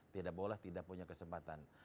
tidak boleh tidak punya kesempatan